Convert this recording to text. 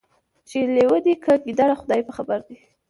چي لېوه دی که ګیدړ خدای په خبر دی